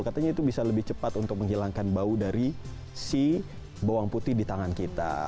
katanya itu bisa lebih cepat untuk menghilangkan bau dari si bawang putih di tangan kita